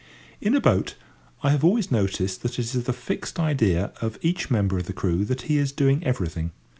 In a boat, I have always noticed that it is the fixed idea of each member of the crew that he is doing everything.